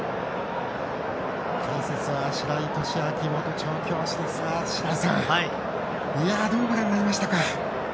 解説は白井寿昭元調教師ですが白井さんどうご覧になりましたか？